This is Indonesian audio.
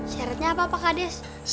syaratnya apa pak kades